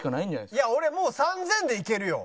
いや俺もう３０００でいけるよ。